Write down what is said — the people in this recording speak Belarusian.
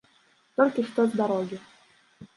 Толькі што з дарогі!